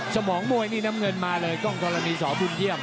สมองมวยนี่น้ำเงินมาเลยกล้องธรณีสอบุญเยี่ยม